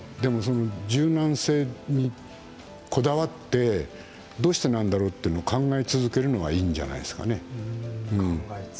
柔軟性にこだわってどうしてなんだろうと考え続けるのはいいんじゃないですかね。